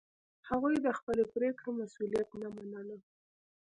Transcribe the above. هغوی د خپلې پرېکړې مسوولیت نه منلو.